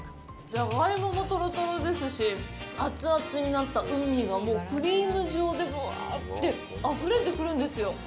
ジャガイモもとろとろですし熱々になったウニがクリーム状でぶわってあふれてくるんですよ。